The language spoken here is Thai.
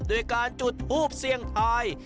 โดยการจุดทูปเสี่ยงทาย